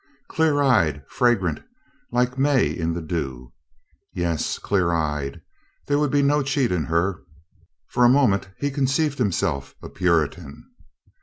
Clear eyed, fragrant, like may in the dew. Yes. Clear eyed. There would be no cheat in her. For a moment he conceived him self a Puritan.